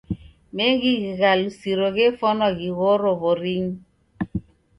Mengi ghighalusiro ghefwana ghighoro w'orinyi.